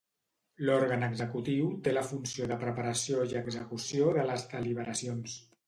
L'òrgan executiu té la funció de preparació i execució de les deliberacions.